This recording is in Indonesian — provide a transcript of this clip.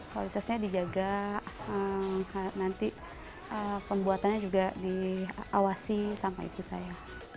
kualitasnya dijaga nanti pembuatannya juga diawasi sama ibu saya